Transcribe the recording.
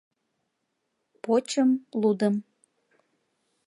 Почым, лудым: